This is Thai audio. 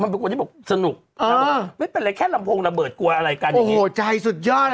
มันเป็นคนที่บอกสนุกเอาไม่เป็นไรแค่ลำโพงไปเผื่ออะไรกันแล้วใจสุดยอด